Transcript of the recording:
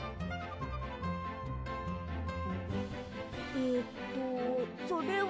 えっとそれは。